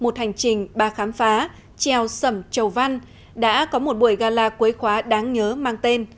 một hành trình ba khám phá trèo sẩm châu văn đã có một buổi gala cuối khóa đáng nhớ mang tên